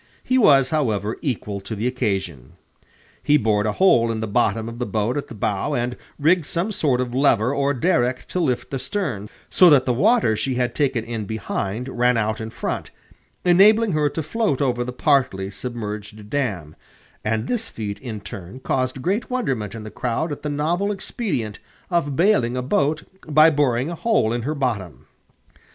He was, however, equal to the occasion. He bored a hole in the bottom of the boat at the bow, and rigged some sort of lever or derrick to lift the stern, so that the water she had taken in behind ran out in front, enabling her to float over the partly submerged dam; and this feat, in turn, caused great wonderment in the crowd at the novel expedient of bailing a boat by boring a hole in her bottom.